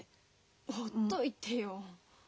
ほっといてよ。